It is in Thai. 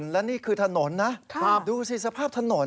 และนี่คือถนนความดูสภาพถนน